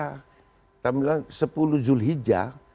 kita bilang sepuluh jul hija